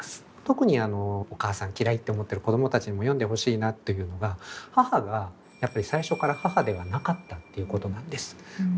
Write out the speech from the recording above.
特にお母さん嫌いって思ってる子供たちにも読んでほしいなというのが母がやっぱり最初から母ではなかったっていうことなんです。